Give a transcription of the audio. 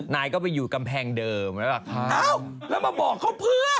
นายก็ไปอยู่กำแพงเดิมแล้วล่ะอ้าวแล้วมาบอกเขาเพื่อ